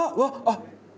あっ。